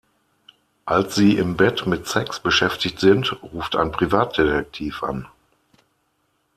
Als sie im Bett mit Sex beschäftigt sind, ruft ein Privatdetektiv an.